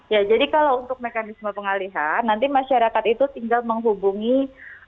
ya jadi kalau untuk mekanisme pengalihan nanti masyarakat itu tinggal menghubungi